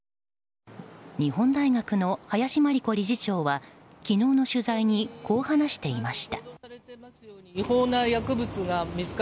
日本大学の林真理子理事長は昨日の取材にこう話していました。